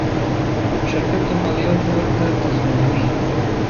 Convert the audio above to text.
شرکت د مالیاتو ورکړه تضمینوي.